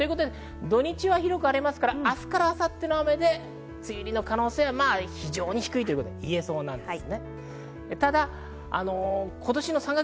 土日は広く晴れますから、明日から明後日の雨で梅雨入りの可能性は非常に低いと言えそうです。